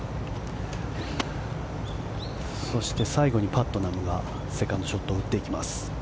そして最後にパットナムがセカンドショットを打っていきます。